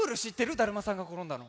「だるまさんがころんだ」の。